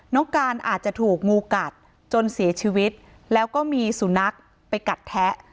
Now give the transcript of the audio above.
น้องการอาจจะถูกงูกัดจนเสียชีวิตแล้วก็มีสุนัขไปกัดแทะ